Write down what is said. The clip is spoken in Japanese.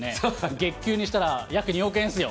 月給にしたら、約２億円ですよ。